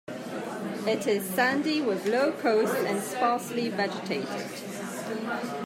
It is sandy, with low coasts and sparsely vegetated.